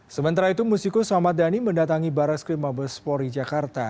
sementara itu musikus ahmad dhani mendatangi barres krimobes polri jakarta